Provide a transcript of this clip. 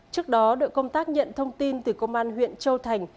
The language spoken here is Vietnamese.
trước đó đội công tác nhận thông tin từ công an huyện châu thành